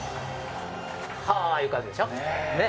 はぁいう感じでしょ？ねぇ。